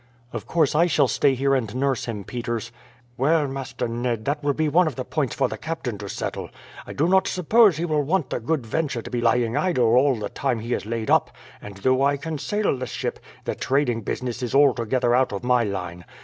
"Of course I shall stay here and nurse him, Peters." "Well, Master Ned, that will be one of the points for the captain to settle. I do not suppose he will want the Good Venture to be lying idle all the time he is laid up; and though I can sail the ship, the trading business is altogether out of my line.